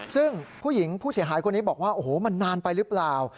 ซึ่งผู้หญิงผู้เสียหายคนนี้บอกว่าโอ้โหมันนานไปหรือเปล่า